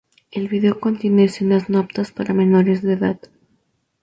El vídeo contiene escenas no aptas para menores de edad.